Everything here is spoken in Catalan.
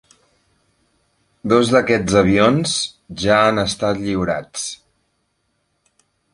Dos d'aquests avions ja han estat lliurats.